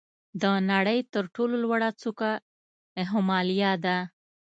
د نړۍ تر ټولو لوړه څوکه هیمالیا ده.